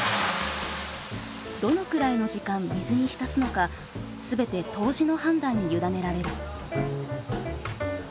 どのくらいの時間水に浸すのか全て杜氏の判断に委ねられる。